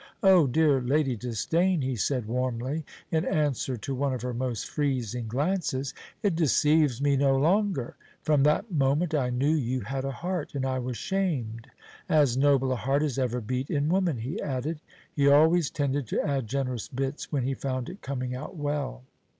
Oh, dear Lady Disdain," he said warmly, in answer to one of her most freezing glances, "it deceives me no longer. From that moment I knew you had a heart, and I was shamed as noble a heart as ever beat in woman," he added. He always tended to add generous bits when he found it coming out well.